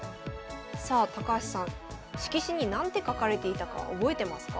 さあ高橋さん色紙に何て書かれていたか覚えてますか？